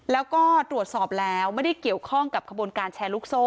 แล้วก็ตรวจสอบแล้วไม่ได้เกี่ยวข้องกับขบวนการแชร์ลูกโซ่